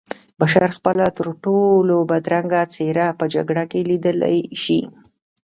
بشر خپله ترټولو بدرنګه څېره په جګړه کې لیدلی شي